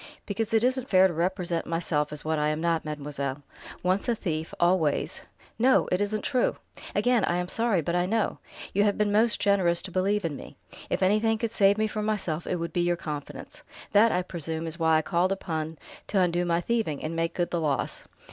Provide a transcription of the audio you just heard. "Because it isn't fair to represent myself as what I am not, mademoiselle. Once a thief, always " "No! It isn't true!" "Again I am sorry, but I know. You have been most generous to believe in me. If anything could save me from myself, it would be your confidence. That, I presume, is why I felt called upon to undo my thieving, and make good the loss.